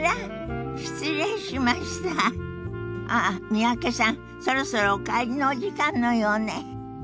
三宅さんそろそろお帰りのお時間のようね。